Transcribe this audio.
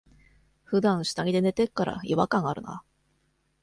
ふだん下着で寝てっから、違和感あるな。